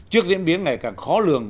trước diễn biến ngày càng khó lường